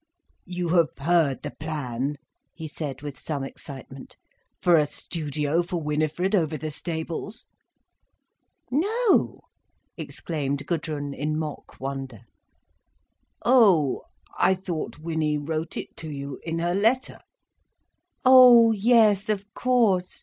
"You have heard the plan," he said with some excitement, "for a studio for Winifred, over the stables?" "No!" exclaimed Gudrun, in mock wonder. "Oh!—I thought Winnie wrote it to you, in her letter!" "Oh—yes—of course.